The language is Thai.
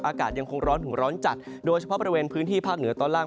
อากาศยังคงร้อนถึงร้อนจัดโดยเฉพาะบริเวณพื้นที่ภาคเหนือตอนล่าง